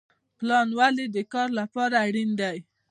پلان ولې د کار لپاره اړین دی؟